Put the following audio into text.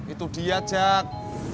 itu dia jack